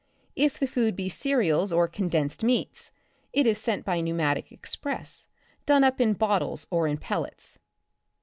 If the food be cereals or condensed meats, it is sent by pneumatic express, done up in bottles or in pellets.